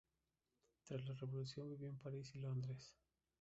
Tras la revolución vivió en París y Londres.